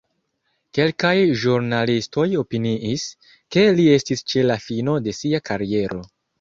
Kelkaj ĵurnalistoj opiniis, ke li estis ĉe la fino de sia kariero.